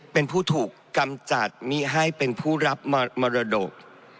เป็นผู้ถูกกำจัดมิให้เป็นผู้รับมรดก